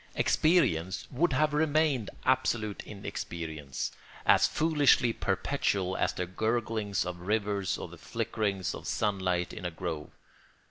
Experience would have remained absolute inexperience, as foolishly perpetual as the gurglings of rivers or the flickerings of sunlight in a grove.